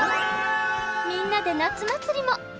みんなで夏祭りも！